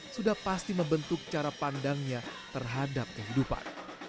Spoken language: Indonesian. sudah pasti membentuk cara pandangnya terhadap kehidupan